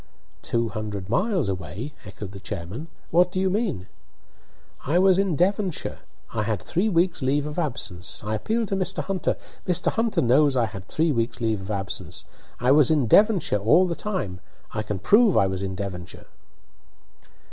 "Two hundred miles away!" echoed the chairman. "What do you mean?" "I was in Devonshire. I had three weeks' leave of absence I appeal to Mr. Hunter Mr. Hunter knows I had three weeks' leave of absence! I was in Devonshire all the time; I can prove I was in Devonshire!"